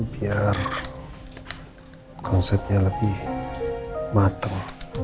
biar konsepnya lebih matang